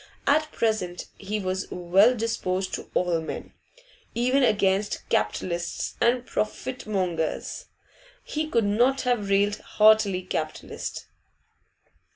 At present he was well disposed to all men; even against capitalists and 'profitmongers' he could not have railed heartily Capitalists?